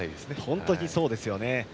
本当にそうですよね。